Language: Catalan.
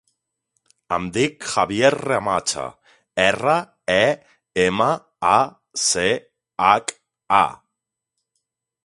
Em dic Javier Remacha: erra, e, ema, a, ce, hac, a.